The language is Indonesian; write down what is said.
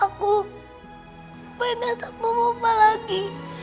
aku pengen sama mama lagi